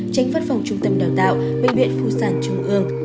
tranh phát phòng trung tâm đào tạo bệnh viện phu sản trung ương